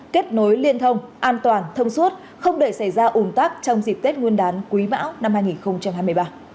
kết nối liên thông an toàn thông suốt không để xảy ra ủn tắc trong dịp tết nguyên đán quý bão năm hai nghìn hai mươi ba